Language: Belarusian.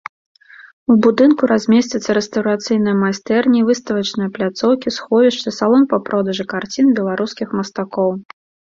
У будынку размесцяцца рэстаўрацыйныя майстэрні, выставачныя пляцоўкі, сховішча, салон па продажы карцін беларускіх мастакоў.